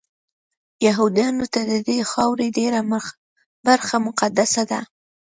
یهودانو ته ددې خاورې ډېره برخه مقدسه ده.